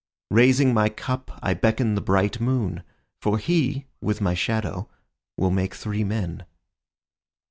Raising my cup I beckon the bright moon, For he, with my shadow, will make three men.